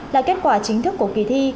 là kết quả chính thức của kỳ thi